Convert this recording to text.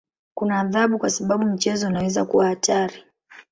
Kuna adhabu kwa sababu mchezo unaweza kuwa hatari.